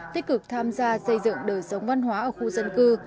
tích cực tham gia xây dựng đời sống văn hóa ở khu dân cư